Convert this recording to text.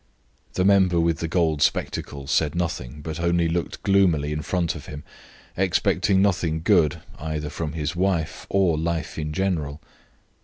The member with the gold spectacles said nothing, but only looked gloomily in front of him, expecting nothing good, either from his wife or life in general.